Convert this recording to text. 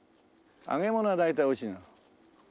揚げ物は大体美味しい。